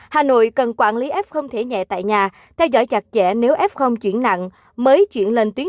hà nội cần quản lý f không thể nhẹ tại nhà theo dõi chặt chẽ nếu f chuyển nặng mới chuyển lên tuyến